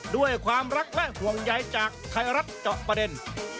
ด้วยความรักและห่วงใยจากไทยรัฐเจาะประเด็น